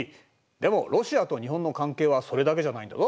でもロシアと日本の関係はそれだけじゃないんだぞ。